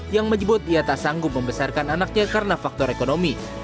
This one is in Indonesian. yang menyebut ia tak sanggup membesarkan anaknya karena faktor ekonomi